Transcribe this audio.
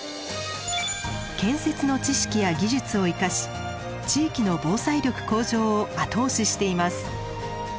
建設の知識や技術を生かし地域の防災力向上を後押ししています。